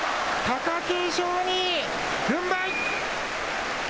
貴景勝に軍配！